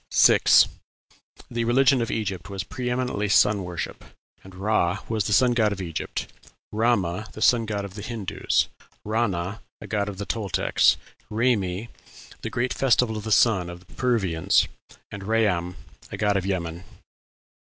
6. The religion of Egypt was pre eminently sun worship, and Ra was the sun god of Egypt, Rama, the sun of the Hindoos, Rana, a god of the Toltecs, Raymi, the great festival of the sun of the Peruvians, and Rayam, a god of Yemen.